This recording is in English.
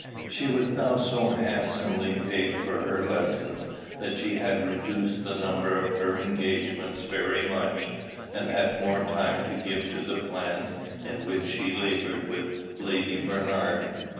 She was now so handsomely paid for her lessons, that she had reduced the number of her engagements very much, and had more time to give to the plans in which she labored with Lady Bernard.